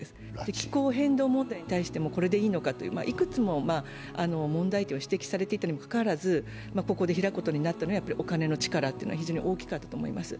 気候変動問題に対してもこれでいいのかという、いくつもの問題点を指摘されていたにもかかわらずここで開くことになったのはやっぱりお金の力というのは非常に大きかったと思います。